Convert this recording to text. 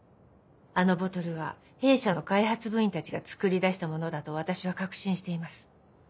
あのボトルは弊社の開発部員たちが作り出したものだと私は確信しています。